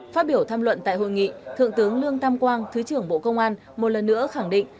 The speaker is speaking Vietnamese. phát biểu tham luận tại hội nghị thượng tướng lương tam quang thứ trưởng bộ công an một lần nữa khẳng định